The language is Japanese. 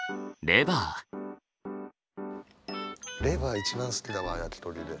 レバー一番好きだわ焼き鳥で。